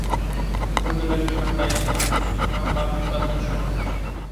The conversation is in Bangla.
সর্দি হলে ঠান্ডায় শ্লেষ্মা বা মিউকাস নিঃসরণ।